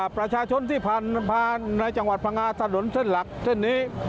ประชาชนที่ผ่านในจังหวัดพังงาถนนเส้นหลักเส้นนี้